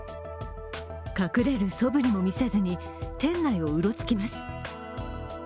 隠れるそぶりもみせずに店内をうろつきます。